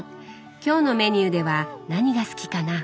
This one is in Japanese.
今日のメニューでは何が好きかな？